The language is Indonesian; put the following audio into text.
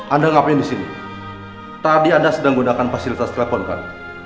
anda ngapain di sini tadi ada sedang gunakan fasilitas teleponkan